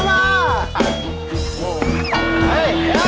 ไปไป